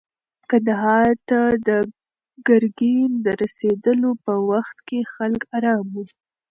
کندهار ته د ګرګین د رسېدلو په وخت کې خلک ارام وو.